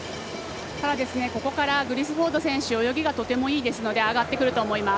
ここからグリスウォード選手泳ぎがとてもいいですので上がってくると思います。